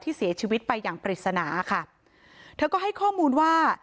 เสียชีวิตไปอย่างปริศนาค่ะเธอก็ให้ข้อมูลว่า